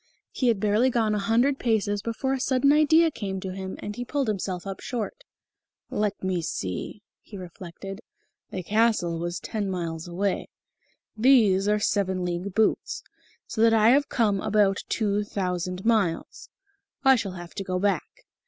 He had barely gone a hundred paces before a sudden idea came to him, and he pulled himself up short. "Let me see," he reflected; "the castle was ten miles away. These are seven league boots so that I have come about two thousand miles. I shall have to go back."